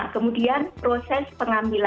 kemudian proses pengambilan